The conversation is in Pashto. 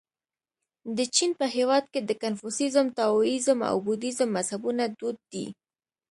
د چین په هېواد کې د کنفوسیزم، تائویزم او بودیزم مذهبونه دود دي.